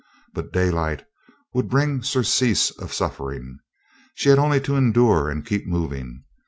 But daylight would bring surcease of suffering she had only to endure and keep moving.